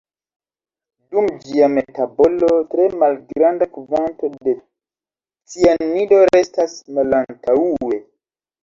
Dum ĝia metabolo, tre malgranda kvanto de cianido restas malantaŭe.